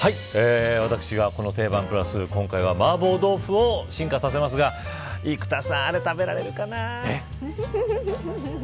私がこのテイバン＋今回はマーボー豆腐を進化させますが生田さん、あれ食べられるかな。